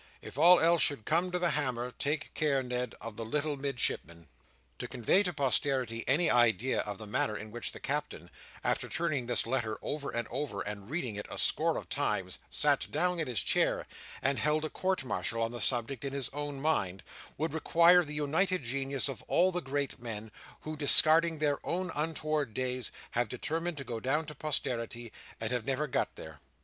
If all else should come to the hammer, take care, Ned, of the little Midshipman.'" To convey to posterity any idea of the manner in which the Captain, after turning this letter over and over, and reading it a score of times, sat down in his chair, and held a court martial on the subject in his own mind, would require the united genius of all the great men, who, discarding their own untoward days, have determined to go down to posterity, and have never got there.